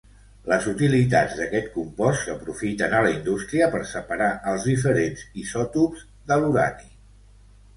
Les utilitats d'aquest compost s'aprofiten a la indústria per separar els diferents isòtops de l'urani.